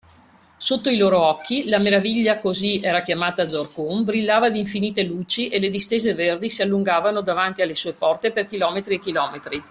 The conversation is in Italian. Sotto i loro occhi, la Meraviglia, così era chiamata Zorqun, brillava di infinite luci, e le distese verdi si allungavano davanti alle sue porte per chilometri e chilometri.